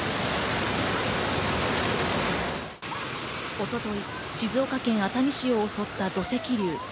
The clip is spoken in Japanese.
一昨日、静岡県熱海市を襲った土石流。